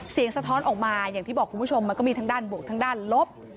สะท้อนออกมาอย่างที่บอกคุณผู้ชมมันก็มีทั้งด้านบวกทั้งด้านลบ